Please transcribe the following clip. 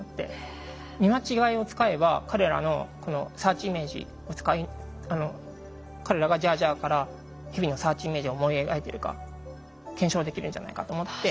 見間違えを使えば彼らのこのサーチイメージ彼らが「ジャージャー」からヘビのサーチイメージを思い描いてるか検証できるんじゃないかと思って。